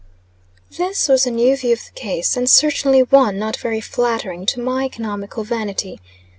This was a new view of the case, and certainly one not very flattering to my economical vanity.